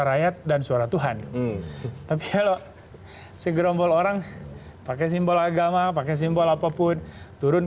rakyat dan suara tuhan tapi kalau segerombol orang pakai simbol agama pakai simbol apapun turun